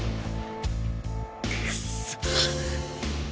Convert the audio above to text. くっそ。